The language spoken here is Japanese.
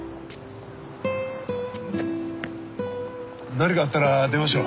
何かあったら電話しろ。